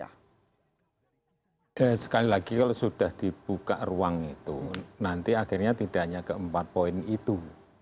hai dan sekali lagi kalau sudah dibuka ruang itu nanti akhirnya tidak hanya keempat poin itu